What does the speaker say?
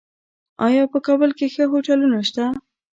آیا په کابل کې ښه هوټلونه شته؟